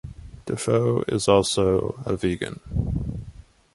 Defoe is also a vegan.